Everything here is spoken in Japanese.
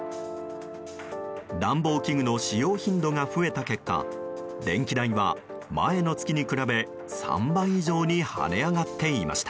暖房器具の使用頻度が増えた結果電気代は、前の月に比べ３倍以上に跳ね上がっていました。